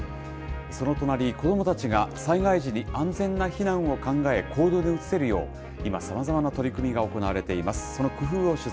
その隣、子どもたちが災害時に安全な避難を考え、行動に移せるよう、今、さまざまな取り組みが行われています。